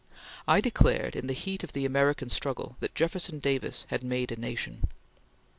I declared in the heat of the American struggle that Jefferson Davis had made a nation....